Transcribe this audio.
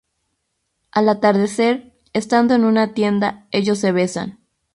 Al atardecer, estando en una tienda, ellos se besan.